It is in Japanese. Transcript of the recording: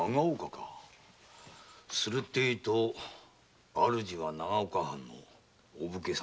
すると主は長岡藩のお武家様？